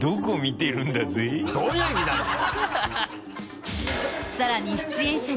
どういう意味なんだよ。